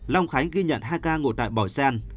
long khánh ghi nhận hai ca ngộ tại bảo sen